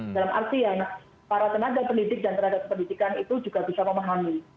dalam artian para tenaga pendidik dan tenaga pendidikan itu juga bisa memahami